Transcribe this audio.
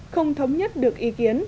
không thống nhất được ý kiến